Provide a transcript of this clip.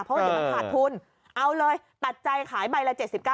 เพราะว่าจะขาดทุนเอาเลยตัดใจขายใบละ๗๙